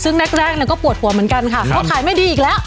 ซึ่งแรกแรกแล้วก็ปวดหัวเหมือนกันค่ะครับว่าขายไม่ดีอีกแล้ว